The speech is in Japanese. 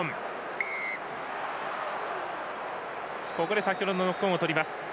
ここで先程のノックオンをとります。